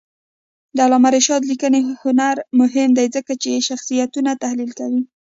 د علامه رشاد لیکنی هنر مهم دی ځکه چې شخصیتونه تحلیل کوي.